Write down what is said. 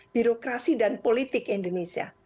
birokrasi dan politik indonesia